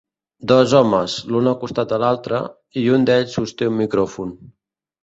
Dos homes, l'un al costat de l'altre, i un d'ells sosté un micròfon.